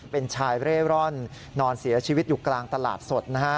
เป็นชายเร่ร่อนนอนเสียชีวิตอยู่กลางตลาดสดนะฮะ